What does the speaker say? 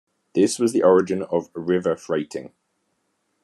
This was the origin of river freighting.